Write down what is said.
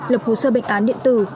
lập hồ sơ bệnh án điện tử